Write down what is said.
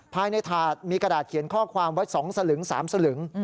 ภายในถาดมีกระดาษเขียนข้อความไว้๒สลึง๓สลึง